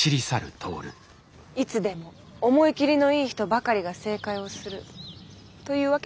いつでも思い切りのいい人ばかりが正解をするというわけではありません。